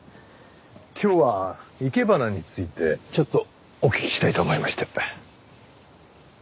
今日は生け花についてちょっとお聞きしたいと思いまして。